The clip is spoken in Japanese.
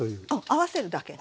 合わせるだけ。